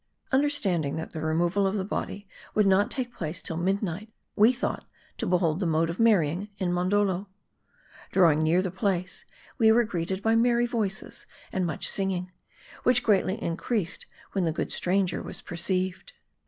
^Understanding that the removal of the body would not take place till midnight, we thought to behold the mode of marrying in Mondoldo. Drawing near the place, we were greeted by merry voices, and much singing, which greatly increased when the good stranger was perceived.